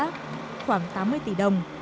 khoảng tám mươi tỷ đồng